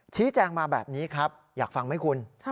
ชี้แจงมาแบบนี้ครับอยากฟังไหมคุณ